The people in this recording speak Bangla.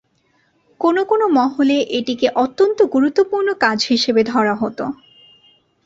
কোন কোন মহলে এটিকে অত্যন্ত গুরুত্বপূর্ণ কাজ হিসাবে ধরা হতো।